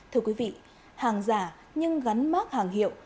thưa quý vị hàng giả nhưng gắn mát hàng hiệu